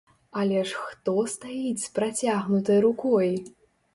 Але ж хто стаіць з працягнутай рукой?